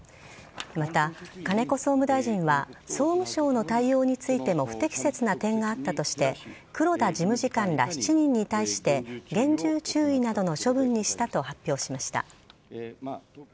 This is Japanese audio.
また、金子総務大臣は総務省の対応についても不適切な点があったとして黒田事務次官ら７人に対して厳重注意などの処分にしたと発表しました。